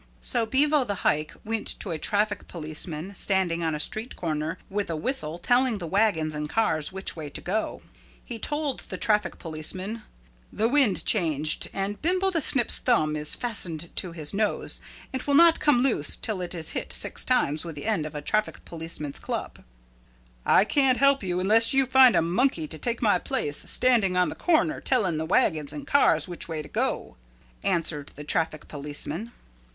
So Bevo the Hike went to a traffic policeman standing on a street corner with a whistle telling the wagons and cars which way to go. He told the traffic policeman, "The wind changed and Bimbo the Snip's thumb is fastened to his nose and will not come loose till it is hit six times with the end of a traffic policeman's club." "I can't help you unless you find a monkey to take my place standing on the corner telling the wagons and cars which way to go," answered the traffic policeman.